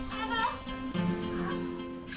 jangan pegang itu jangan pegang itu